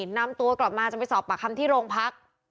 นำตัวกลับมาจะไปสอบปากคำที่โรงพัก